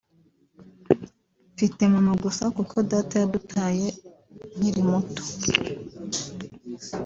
mfite mama gusa kuko Data yadutaye nkiri muto